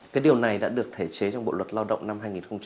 cái điều này đã được thể chế trong bộ luật lao động năm hai nghìn một mươi năm